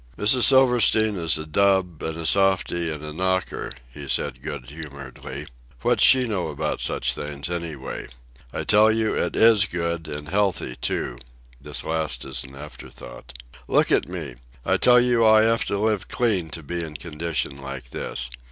"Mrs. Silverstein is a dub, and a softy, and a knocker," he said good humoredly. "What's she know about such things, anyway? I tell you it is good, and healthy, too," this last as an afterthought. "Look at me. I tell you I have to live clean to be in condition like this.